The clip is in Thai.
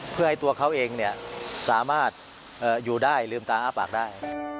เพื่อให้ตัวเขาเองสามารถอยู่ได้ลืมตาอ้าปากได้